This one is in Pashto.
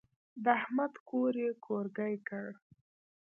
د احمد کور يې کورګی کړ.